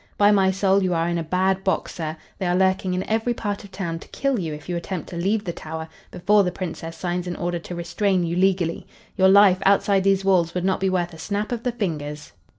By my soul, you are in a bad box, sir. They are lurking in every part of town to kill you if you attempt to leave the Tower before the Princess signs an order to restrain you legally. Your life, outside these walls, would not be worth a snap of the fingers."